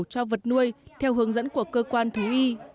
cho vật nuôi theo hướng dẫn của cơ quan thú y